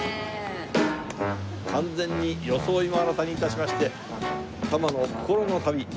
完全に装いも新たに致しまして多摩の心の旅